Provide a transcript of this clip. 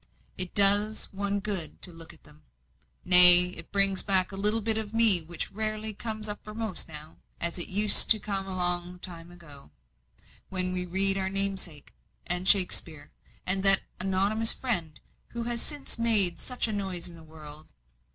It does one good to look at them. Nay, it brings back a little bit of me which rarely comes uppermost now, as it used to come long ago, when we read your namesake, and Shakspeare, and that Anonymous Friend who has since made such a noise in the world.